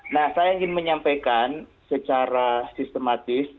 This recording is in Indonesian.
nah saya ingin menyampaikan secara sistematis